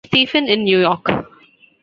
Stephen in New York.